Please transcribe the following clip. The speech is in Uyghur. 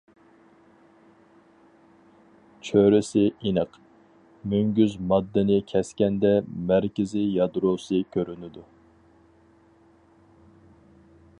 چۆرىسى ئېنىق، مۈڭگۈز ماددىنى كەسكەندە مەركىزىي يادروسى كۆرۈنىدۇ.